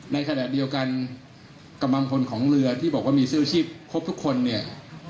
ในขณะเดียวกันกำลังพลของเรือที่บอกว่ามีเสื้อชีพครบทุกคนเนี่ย